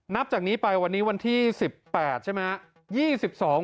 นับจากนี้ไปวันนี้วันที่๑๘ใช่ไหมครับ